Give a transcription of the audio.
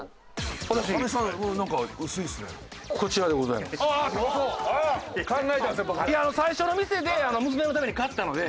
いや最初の店で娘のために買ったので。